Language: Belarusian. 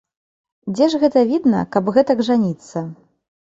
Дзе ж гэта відна, каб гэтак жаніцца?